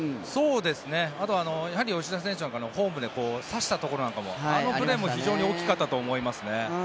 あとは吉田選手のホームで刺したところなんかもあのプレーも非常に大きかったと思いますね。